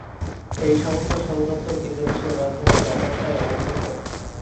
এই সংস্থার সদর দপ্তর ইন্দোনেশিয়ার রাজধানী জাকার্তায় অবস্থিত।